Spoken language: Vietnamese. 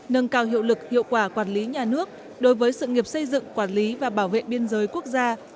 nâng cao hiệu lực hiệu quả quản lý nhà nước đối với sự nghiệp xây dựng quản lý và bảo vệ biên giới quốc gia